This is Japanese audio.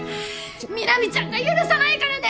南ちゃんが許さないからね